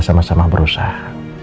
kita sama sama berusaha